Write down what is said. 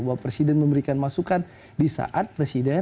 bahwa presiden memberikan masukan di saat presiden